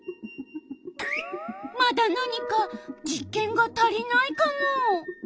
まだなにか実験が足りないカモ。